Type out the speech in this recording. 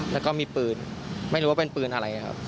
แล้วก็มีปืนไม่รู้ว่าเป็นปืนอะไรครับ